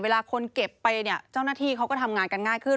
คนเก็บไปเนี่ยเจ้าหน้าที่เขาก็ทำงานกันง่ายขึ้น